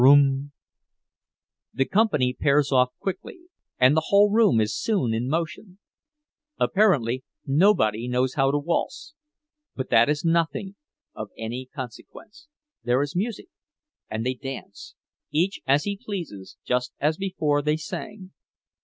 broom!" The company pairs off quickly, and the whole room is soon in motion. Apparently nobody knows how to waltz, but that is nothing of any consequence—there is music, and they dance, each as he pleases, just as before they sang.